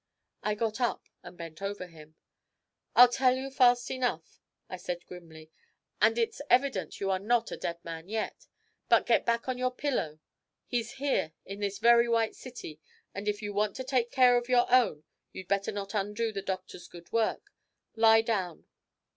I got up and bent over him. 'I'll tell you fast enough,' I said grimly. 'And it's evident you are not a dead man yet; but get back on your pillow he's here in this very White City, and if you want to take care of your own you'd better not undo the doctor's good work. Lie down!'